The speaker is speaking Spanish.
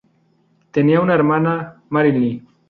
Tenía una hermana, Marilyn.